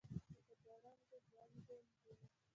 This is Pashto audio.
لکه د ړنګو بنګو نجونو،